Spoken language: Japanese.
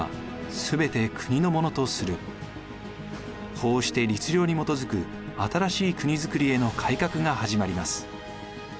こうして律令にもとづく新しい国づくりへの改革が始まります。